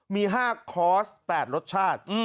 มี๕คอร์ส๘รสชาติ